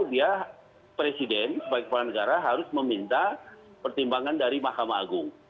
dia presiden sebagai kepala negara harus meminta pertimbangan dari mahkamah agung